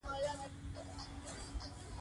خولۍ د ادب او تربیې نښه ده.